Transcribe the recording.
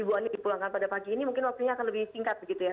ibu ani dipulangkan pada pagi ini mungkin waktunya akan lebih singkat begitu ya